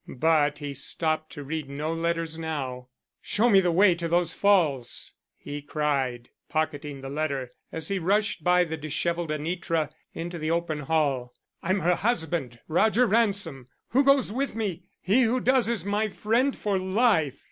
But he stopped to read no letters now. "Show me the way to those falls," he cried, pocketing the letter as he rushed by the disheveled Anitra into the open hall. "I'm her husband, Roger Ransom. Who goes with me? He who does is my friend for life."